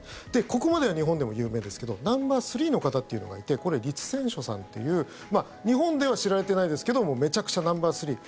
ここまでは日本でも有名ですけどナンバースリーの方っていうのがいてリツ・センショさんっていう日本では知られてないですけどめちゃくちゃナンバースリー